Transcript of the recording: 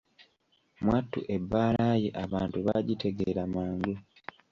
Mwattu ebbaala ye abantu baagitegeera mangu.